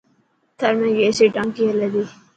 ٿر ۾ گيس ري ٽانڪي هلي ٿي.